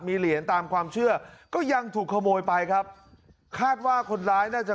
มีเหรียญตามความเชื่อก็ยังถูกขโมยไปครับคาดว่าคนร้ายน่าจะ